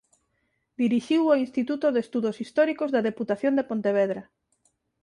Dirixiu o Instituto de Estudos Históricos da Deputación de Pontevedra.